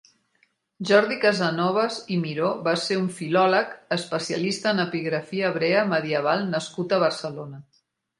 Jordi Casanovas i Miró va ser un filòleg, especialista en epigrafia hebrea medieval nascut a Barcelona.